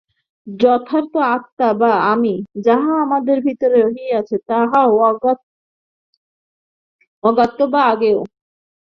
যথার্থ আত্মা বা আমি, যাহা আমাদের ভিতরে রহিয়াছে, তাহাও অজ্ঞাত বা অজ্ঞেয়।